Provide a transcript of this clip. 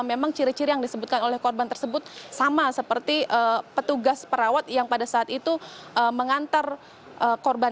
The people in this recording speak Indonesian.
ini yang seharusnya